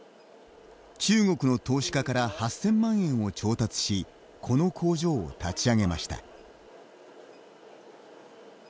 中国の投資家から８千万円を調達しこの工場を立ち上げました。